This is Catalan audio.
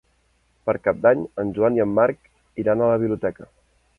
Per Cap d'Any en Joan i en Marc iran a la biblioteca.